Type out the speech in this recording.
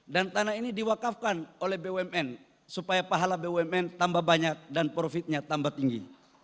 dan tanah ini diwakafkan oleh bumn supaya pahala bumn tambah banyak dan profitnya tambah tinggi